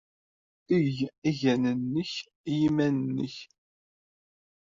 Eg aɣanen-nnek i yiman-nnek.